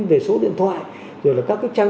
về số điện thoại rồi là các cái trang